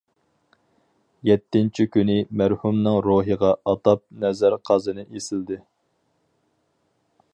يەتتىنچى كۈنى مەرھۇمنىڭ روھىغا ئاتاپ نەزىر قازىنى ئېسىلدى.